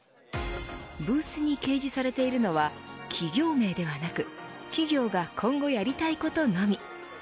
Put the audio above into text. ブースに掲示されているのは企業名ではなく企業が今後やりたいことのみ。